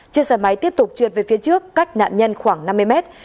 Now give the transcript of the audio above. chiếc xe máy tiếp tục trượt về phía trước cách nạn nhân khoảng năm mươi mét